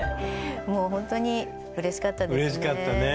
もうほんとにうれしかったですね。